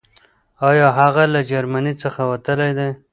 آيا هغه له جرمني څخه وتلی دی؟